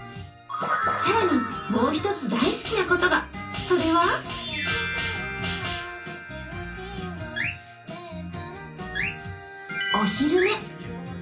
更にもう一つ大好きなことが、それはお昼寝。